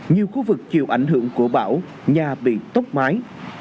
nhiều khu vực chịu ảnh hưởng của bão nhà bị tốc mái